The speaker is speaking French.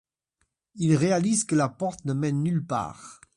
Il réalise que la porte ne mène nulle part.